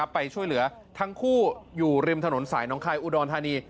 ไปช่วยเหลือทั้งคู่อยู่ริมถนนสายน้องคายอุดรธานี